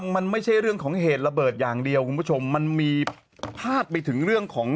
มันไม่ใช่เรื่องของเหตุระเบิดอย่างเดียวคุณผู้ชมมันมีพาดไปถึงเรื่องของ